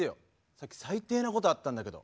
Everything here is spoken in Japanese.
さっき最低なことあったんだけど。